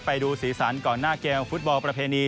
ไปดูสีสันก่อนหน้าเกมฟุตบอลประเพณี